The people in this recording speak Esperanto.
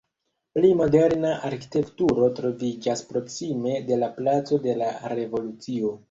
Pli moderna arkitekturo troviĝas proksime de la Placo de la Revolucio.